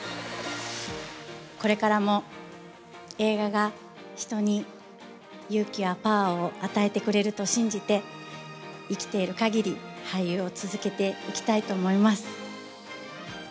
これからも、映画が人に勇気やパワーを与えてくれると信じて、生きているかぎり、俳優を続けていきたいと思います。